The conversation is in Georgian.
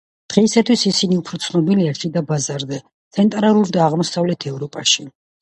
დღეისთვის ისინი უფრო ცნობილია შიდა ბაზარზე, ცენტრალურ და აღმოსავლეთ ევროპაში.